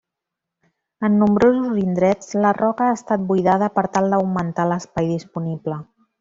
En nombrosos indrets la roca ha estat buidada per tal d'augmentar l'espai disponible.